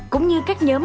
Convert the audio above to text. cũng như các nhóm